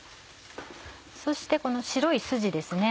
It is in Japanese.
そしてこの白いスジですね